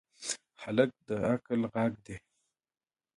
هلک د عقل غږ دی.